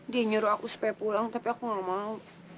dia nyuruh aku supaya pulang tapi aku gak mau